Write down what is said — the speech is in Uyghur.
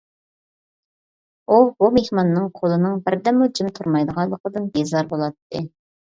ئۇ بۇ مېھماننىڭ قولىنىڭ بىردەممۇ جىم تۇرمايدىغانلىقىدىن بىزار بولاتتى.